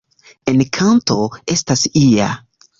En kanto estas ia.